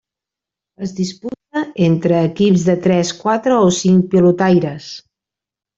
Es disputa entre equips de tres, quatre o cinc pilotaires.